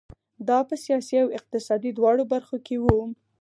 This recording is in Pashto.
دا په سیاسي او اقتصادي دواړو برخو کې وو.